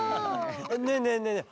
ねえねえねえねえ